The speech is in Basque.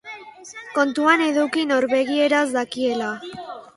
Kontuan eduki norvegieraz dakiela.